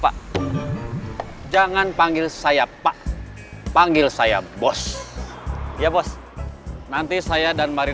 kamu duduk di depan kami